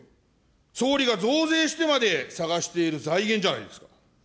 総理が増税してまで探している財源じゃないですか。